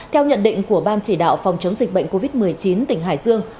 theo nhận định của ban chỉ đạo phòng chống dịch bệnh covid một mươi chín tỉnh hải dương